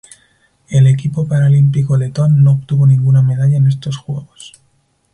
El equipo paralímpico letón no obtuvo ninguna medalla en estos Juegos.